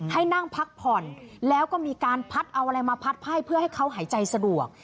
ให้นั่งพักผ่อนแล้วก็มีการพัดเอาอะไรมาพัดไพ่เพื่อให้เขาหายใจสะดวก